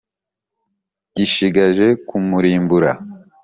gishigaje kumurimbura.